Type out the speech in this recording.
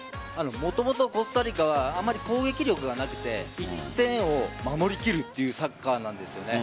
もともとコスタリカはあまり攻撃力がなくて１点を守りきるというサッカーなんですよね。